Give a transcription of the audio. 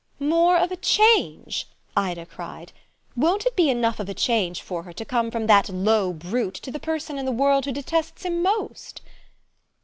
"More of a change?" Ida cried. "Won't it be enough of a change for her to come from that low brute to the person in the world who detests him most?"